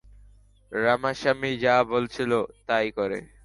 রামাসামী, যা বলছি তাই কর।